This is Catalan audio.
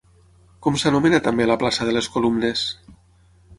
Com s'anomena també la plaça de les Columnes?